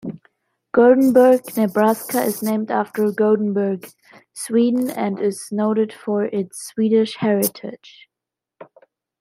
Gothenburg, Nebraska is named after Gothenburg, Sweden, and is noted for its Swedish heritage.